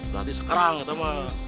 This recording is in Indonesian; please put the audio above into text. berarti sekarang itu mah